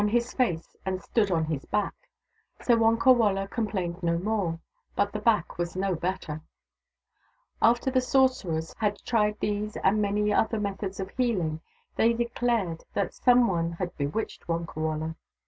B, L i62 THE DAUGHTERS OF WONKAWALA face and stood on his back. So Wonkawala com plained no more ; but the back was no better. After the sorcerers had tried these and many other methods of heaUng, they declared that some one had bewitched Wonkawala.